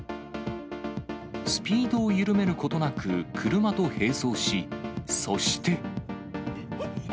スピードを緩めることなく、車と併走し、そして。